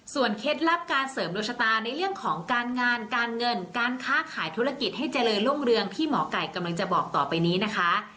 เคล็ดลับการเสริมดวงชะตาในเรื่องของการงานการเงินการค้าขายธุรกิจให้เจริญรุ่งเรืองที่หมอไก่กำลังจะบอกต่อไปนี้นะคะ